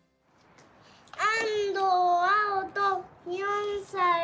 あんどうあおと４さいです。